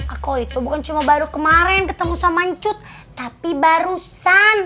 aku itu bukan cuma baru kemarin ketemu sama cut tapi barusan